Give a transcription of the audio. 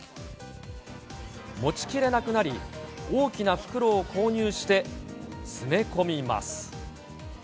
持ちきれなくなり、大きな袋を購入して詰め込みます。